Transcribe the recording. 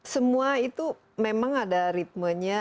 semua itu memang ada ritmenya